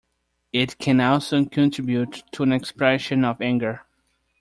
It can also contribute to an expression of anger.